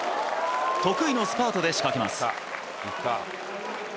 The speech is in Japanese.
得意のスパートで仕掛けます。